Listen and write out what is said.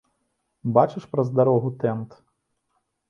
Бачыш праз дарогу тэнт?